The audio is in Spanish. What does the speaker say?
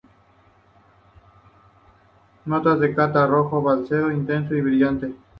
Notas de Cata: Rojo violáceo, intenso y brillante.